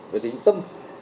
với tính tâm